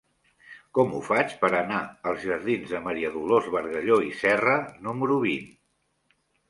Com ho faig per anar als jardins de Maria Dolors Bargalló i Serra número vint?